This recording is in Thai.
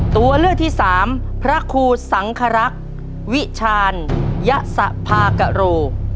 ตัวเลือกที่สามพระครูสังครักษ์วิชาญยสภากโร